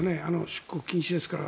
出国禁止ですから。